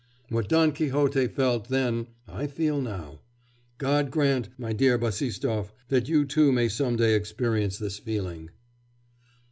What Don Quixote felt then, I feel now.... God grant, my dear Bassistoff, that you too may some day experience this feeling!